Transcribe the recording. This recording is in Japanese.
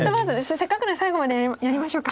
せっかくなので最後までやりましょうか。